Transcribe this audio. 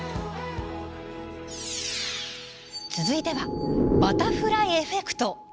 続いては「バタフライエフェクト」。